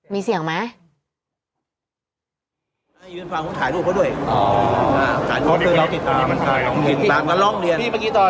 มีเสียงไหม